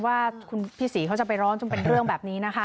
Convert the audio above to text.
ว่าคุณพี่ศรีเขาจะไปร้องจนเป็นเรื่องแบบนี้นะคะ